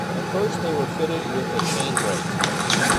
At first they were fitted with a chain brake.